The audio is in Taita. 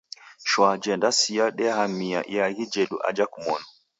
Shwa jendasia dikahamia iaghi jedu aja kimonu.